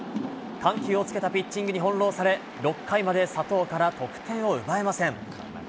緩急をつけたピッチングに翻弄され、６回まで佐藤から得点を奪えません。